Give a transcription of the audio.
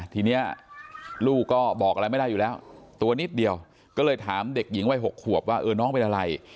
ทีนี้ลูกก็บอกอะไรไม่ได้อยู่แล้วตัวนิดเดียวก็เลยถามเด็กหญิงวัย๖ขวบว่าเออน้องเป็นอะไร